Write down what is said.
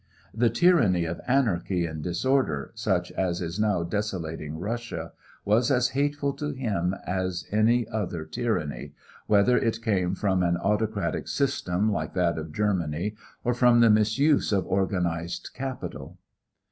The tyranny of anarchy and disorder, such as is now desolating Russia, was as hateful to him as any other tyranny, whether it came from an autocratic system like that of Germany or from the misuse of organized capital.